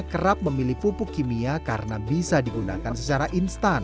kerap memilih pupuk kimia karena bisa digunakan secara instan